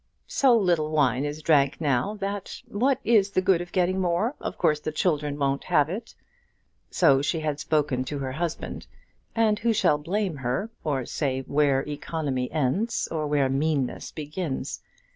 "So little wine is drank now, that, what is the good of getting more? Of course the children won't have it." So she had spoken to her husband. And who shall blame her or say where economy ends, or where meanness begins?